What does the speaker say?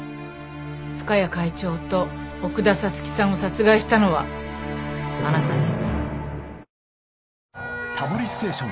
深谷会長と奥田彩月さんを殺害したのはあなたね？